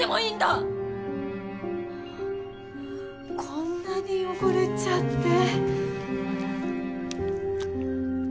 こんなに汚れちゃって。